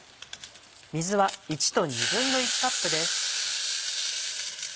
水は１と１／２カップです。